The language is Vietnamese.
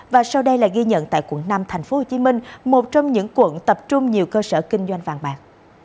và sau đây là ghi nhận tại quận năm tp hcm một trong những quận tập trung nhiều cơ sở kinh doanh vàng bạc